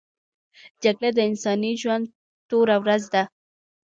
جګړه د انساني ژوند توره ورځ ده